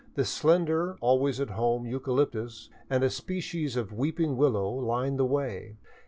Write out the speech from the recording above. The slender, always at home eucalyptus and a species, of weeping willow line the way.